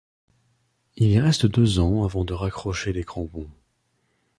Il y reste deux ans avant de raccrocher les crampons.